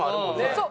そう！